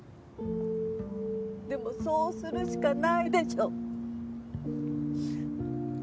でもそうするしかないでしょ！